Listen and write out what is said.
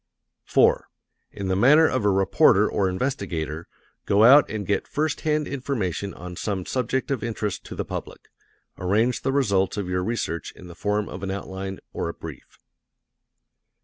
4. In the manner of a reporter or investigator, go out and get first hand information on some subject of interest to the public. Arrange the results of your research in the form of an outline, or brief.